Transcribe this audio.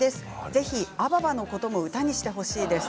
ぜひアババのことも歌にしてほしいです。